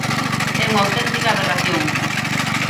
É unha auténtica aberración.